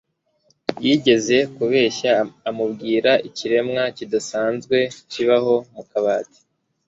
Yigeze kubeshya amubwira ikiremwa kidasanzwe kibaho mu kabati.